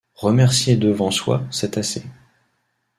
Remercier devant soi, c’est assez.